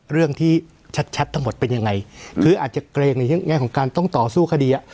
เรื่องที่ชัดชัดทั้งหมดเป็นยังไงคืออาจจะเกรงในแง่ของการต้องต่อสู้คดีอ่ะ